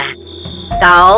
kau memanjat ke tamanku